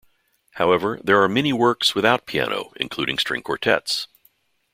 However, there are many works without piano, including string quartets.